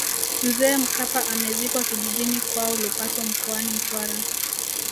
mzee mkapa amezikwa kijijini kwao lupaso mkoani mtwara